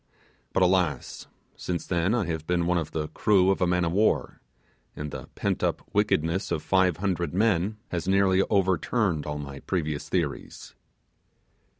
But alas! since then I have been one of the crew of a man of war, and the pent up wickedness of five hundred men has nearly overturned all my previous theories.